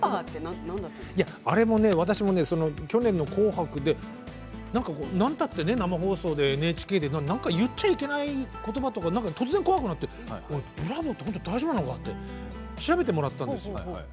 去年の「紅白」で生放送でＮＨＫで言っちゃいけないことばとか突然怖くなってブラボーって大丈夫なのかな？と調べてもらったんですよ。